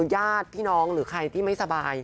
ญาติพี่น้องหรือใครที่ไม่สบาย